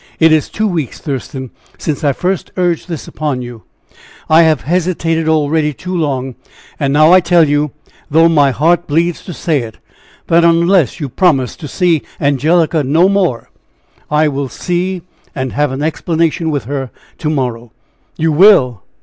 It is two weeks, Thurston, since I first urged this upon you; I have hesitated already too long, and now I tell you, though my heart bleeds to say it, that unless you promise to see Angelica no more, I will see and have an explanation with her to morrow!" "You will!"